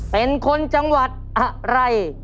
เป็นคนจังหวัดอะไร